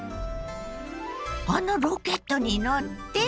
あのロケットに乗って？